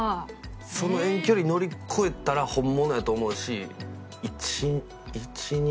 その遠距離乗り越えたら本物やと思うし１２年。